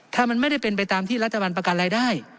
ถ้ามันไม่ได้เป็นไปตามที่รัฐบาลประกันรายได้